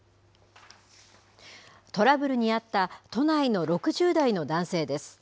トラブルに遭った都内の６０代の男性です。